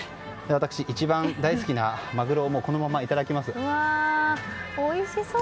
私、一番大好きなマグロをこのままいただきます。